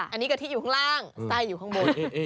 อันนี้กะทิอยู่ข้างล่างไส้อยู่ข้างบน